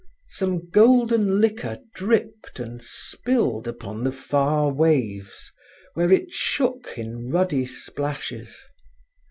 Some golden liquor dripped and spilled upon the far waves, where it shook in ruddy splashes.